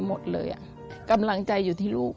ทำงานชื่อนางหยาดฝนภูมิสุขอายุ๕๔ปี